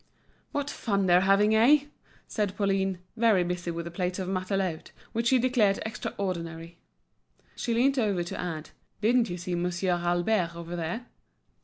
"What fun they're having, eh?" said Pauline, very busy with a plate of matelote, which she declared extraordinary. She leant over to add: "Didn't you see Monsieur Albert over there?"